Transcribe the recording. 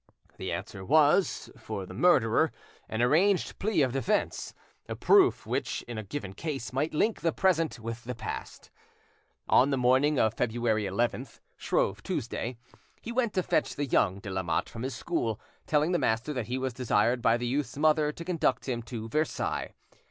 The answer was, for the murderer, an arranged plea of defence, a proof which, in a given case, might link the present with the past. On the morning of February 11th, Shrove Tuesday, he went to fetch the young de Lamotte from his school, telling the master that he was desired by the youth's mother to conduct him to Versailles.